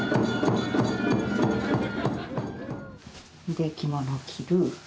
で着物着る。